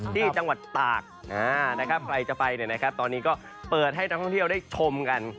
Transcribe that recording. ที่จังหวัดตากนะครับใครจะไปตอนนี้ก็เปิดให้นักท่องเที่ยวได้ชมกัน